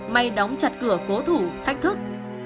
may đóng chặt cửa cố thủ thách thức